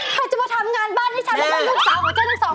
ใครจะมาทำงานบ้านให้ฉันแล้วก็ลูกสาวของเจ้าทั้งสอง